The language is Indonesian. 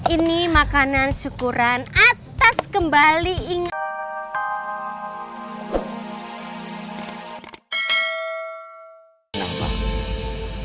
ini makanan syukuran atas kembali ingat